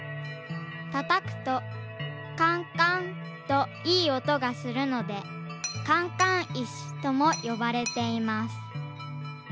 たたくとカンカンっといいおとがするのでカンカンいしともよばれています。